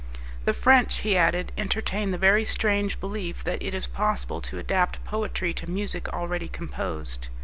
"The French," he added, "entertain the very strange belief that it is possible to adapt poetry to music already composed."